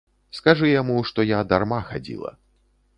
Скажы яму, што я дарма хадзіла.